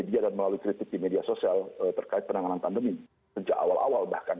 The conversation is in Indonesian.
media dan melalui kritik di media sosial terkait penanganan pandemi sejak awal awal bahkan